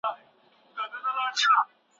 هغه د ماشومانو سره مهربانه چلند کاوه.